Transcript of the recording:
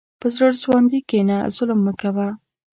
په زړه سواندي کښېنه، ظلم مه کوه.